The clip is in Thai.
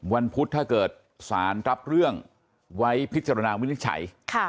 พุธถ้าเกิดสารรับเรื่องไว้พิจารณาวินิจฉัย